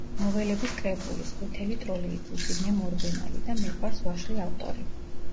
ნოველების კრებულების: „ყვითელი ტროლეიბუსი“, „მე მორბენალი“ და „მიყვარს ვაშლი“ ავტორი.